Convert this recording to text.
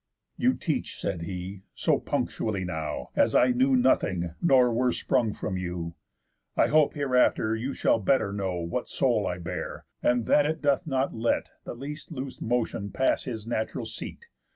"You teach," said he, "so punctually now, As I knew nothing, nor were sprung from you. I hope, hereafter, you shall better know What soul I bear, and that it doth not let The least loose motion pass his natural seat.